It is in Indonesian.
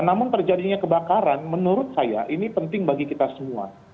namun terjadinya kebakaran menurut saya ini penting bagi kita semua